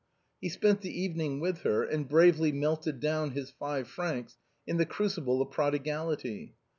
He spent the evening with her, and bravely melted down his five francs in the crucible of prodigality.